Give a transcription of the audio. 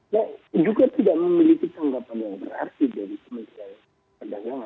nah juga tidak memiliki tanggapan yang berarti dari kementerian perdagangan